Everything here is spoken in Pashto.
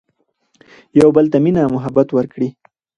يو بل ته مينه محبت ور کړي